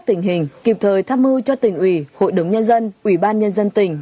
các tình hình kịp thời tháp mưu cho tỉnh ủy hội đồng nhân dân ủy ban nhân dân tỉnh